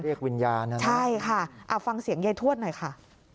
เรียกวิญญาณเหรอคะใช่ค่ะเอาฟังเสียงยายทวดหน่อยค่ะ